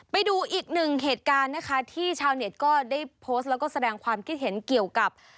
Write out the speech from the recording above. ไปดูอีกหนึ่งเหตุการณ์นะคะที่ชาวเน็ตก็ได้โพสต์แล้วก็แสดงความคิดเห็นเกี่ยวกับ